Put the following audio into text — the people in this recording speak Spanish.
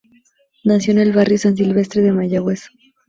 Nació en el Barrio San Silvestre de Mayagüez.